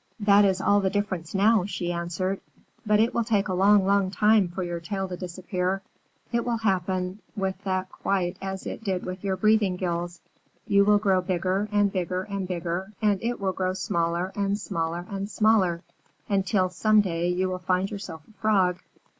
"That is all the difference now," she answered, "but it will take a long, long time for your tail to disappear. It will happen with that quite as it did with your breathing gills. You will grow bigger and bigger and bigger, and it will grow smaller and smaller and smaller, until some day you will find yourself a Frog."